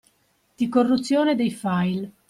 Di corruzione dei file